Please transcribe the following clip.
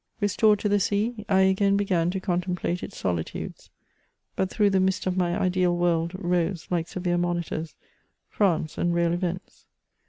Restored to the sea, I again began to contemplate its solitudes ; but through the mist of my ideal world rose, like severe monitors, France and real events.